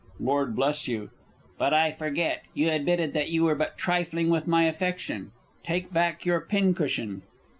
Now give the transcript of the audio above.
Lord Bl. But I forget you admitted that you were but trifling with my affection take back your pin cushion!